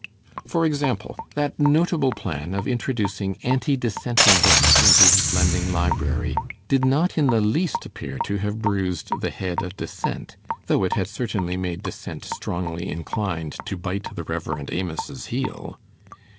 For example, that notable plan of introducing anti dissenting books into his Lending Library did not in the least appear to have bruised the head of Dissent, though it had certainly made Dissent strongly inclined to bite the Rev. Amos's heel.